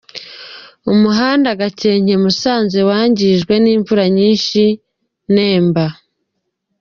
Umuhanda Gakenke-Musanze wangijwe n'imvura nyinshi I Nemba.